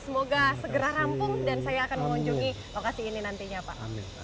semoga segera rampung dan saya akan mengunjungi lokasi ini nantinya pak